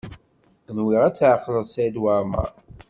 Nwiɣ ad tɛeqleḍ Saɛid Waɛmaṛ.